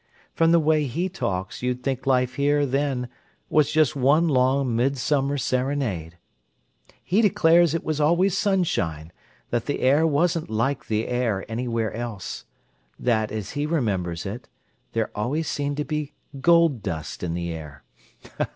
From the way he talks, you'd think life here then was just one long midsummer serenade. He declares it was always sunshine, that the air wasn't like the air anywhere else—that, as he remembers it, there always seemed to be gold dust in the air.